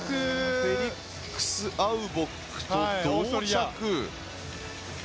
フェリックス・アウボックと同着。